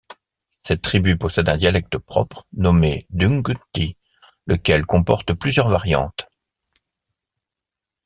Cette tribu possède un dialecte propre nommé Dunghutti lequel comporte plusieurs variantes.